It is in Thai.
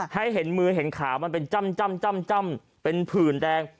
ให้เห็นมือเห็นขาวมันเป็นจ้ำเป็นผื่นแดง